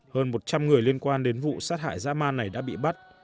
hơn một trăm linh người liên quan đến vụ sát hại dã man này đã bị bắt